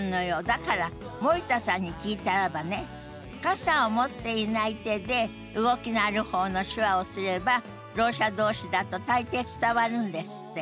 だから森田さんに聞いたらばね傘を持っていない手で動きのある方の手話をすればろう者同士だと大抵伝わるんですって。